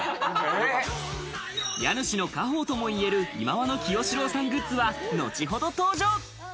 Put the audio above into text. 家主の家宝ともいえる忌野清志郎さんグッズは後ほど登場。